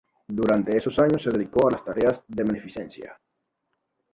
Durante esos años se dedicó a tareas de beneficencia.